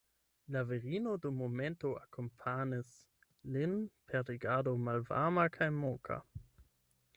La virino dum momento akompanis lin per rigardo malvarma kaj moka.